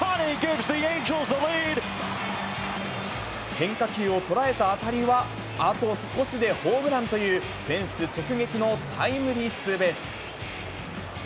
変化球を捉えた当たりは、あと少しでホームランという、フェンス直撃のタイムリーツーベース。